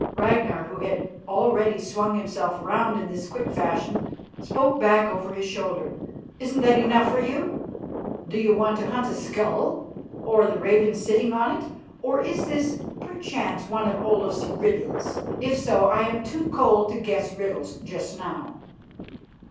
Ragnar, who had already swung himself round in his quick fashion, spoke back over his shoulder: "Isn't that enough for you? Do you want to hunt a skull or the raven sitting on it? Or is this, perchance, one of Olaf's riddles? If so, I am too cold to guess riddles just now."